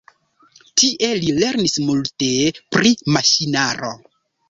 Tie li lernis multe pri maŝinaro.